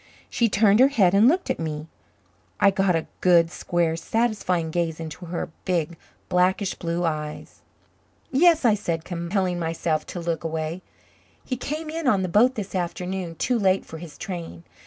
She turned her head and looked at me. I got a good, square, satisfying gaze into her big, blackish blue eyes. "Yes," I said, compelling myself to look away. "He came in on the boat this afternoon too late for his train.